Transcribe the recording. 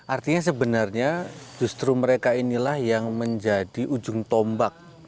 artinya sebenarnya justru mereka inilah yang menjadi ujung tombak